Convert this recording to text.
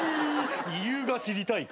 理由が知りたいかい？